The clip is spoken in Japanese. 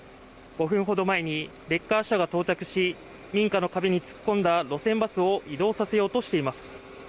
５分ほど前にレッカー車が到着し民家の壁に突っ込んだ路線バスを移動させようとしています。